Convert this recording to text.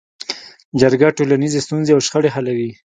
جرګه ټولنیزې ستونزې او شخړې حلوي